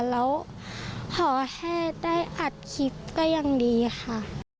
แล้วพอแค่ได้อัดคลิปก็ยังดีค่ะ